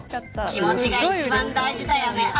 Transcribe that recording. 気持ちが一番大事だよね。